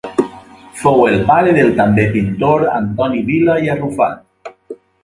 Fou el pare del també pintor Antoni Vila i Arrufat.